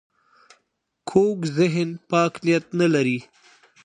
کوږ ذهن پاک نیت نه لري